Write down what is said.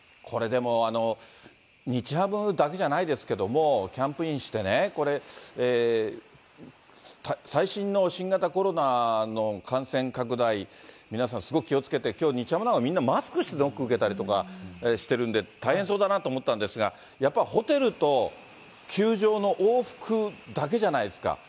これ、でも、日ハムだけじゃないですけども、キャンプインしてね、これ、最新の新型コロナの感染拡大、皆さん、すごく気をつけて、きょう、日ハムなんかみんなマスクしてノック受けたりとかしてるんで、大変そうだなと思ったんですが、やっぱホテルと球場の往復だけじゃないですか。